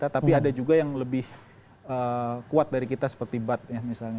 tapi ada juga yang lebih kuat dari kita seperti bat ya misalnya